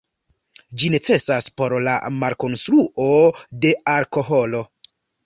Ĝi necesas por la malkonstruo de alkoholo.